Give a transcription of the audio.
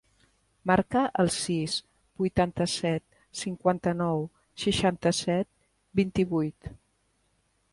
Marca el sis, vuitanta-set, cinquanta-nou, seixanta-set, vint-i-vuit.